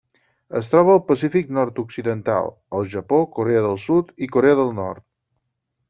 Es troba al Pacífic nord-occidental: el Japó, Corea del Sud i Corea del Nord.